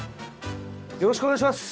よろしくお願いします。